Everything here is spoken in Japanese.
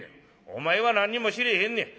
お前は何にも知れへんねん。